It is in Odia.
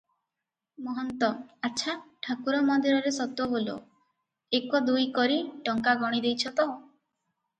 ମହନ୍ତ- ଆଚ୍ଛା, ଠାକୁର ମନ୍ଦିରରେ ସତ ବୋଲ, ଏକ ଦୁଇ କରି ଟଙ୍କା ଗଣି ଦେଇଛ ତ?